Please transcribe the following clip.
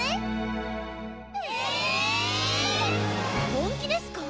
本気ですか